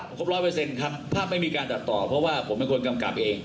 ครบร้อยเปอร์เซ็นต์ครับภาพไม่มีการตัดต่อเพราะว่าผมเป็นคนกำกับเอง